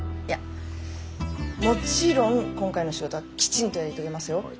いやもちろん今回の仕事はきちんとやり遂げますよ。